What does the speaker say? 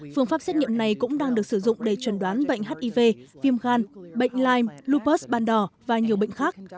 phương pháp xét nghiệm này cũng đang được sử dụng để chuẩn đoán bệnh hiv viêm gan bệnh lyme lupus bàn đỏ và nhiều bệnh khác